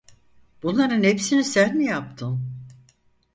Bunların hepsini sen mi yaptın?